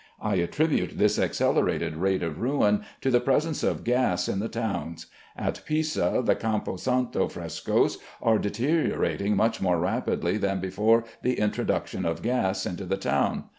I attribute this accelerated rate of ruin to the presence of gas in the towns. At Pisa the Campo Santo frescoes are deteriorating much more rapidly than before the introduction of gas into the town.